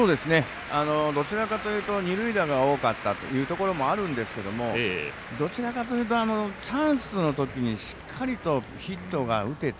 どちらかというと二塁打が多かったというところもあるんですけどどちらかというとチャンスのときにしっかりとヒットが打てた。